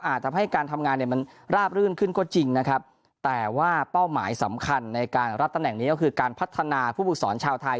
อาจจะทำให้การทำงานเนี่ยมันราบรื่นขึ้นก็จริงนะครับแต่ว่าเป้าหมายสำคัญในการรับตำแหน่งนี้ก็คือการพัฒนาผู้ฝึกสอนชาวไทย